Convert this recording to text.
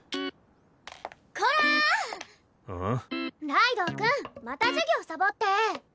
ライドウ君また授業サボって。